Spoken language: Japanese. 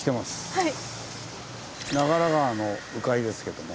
はい。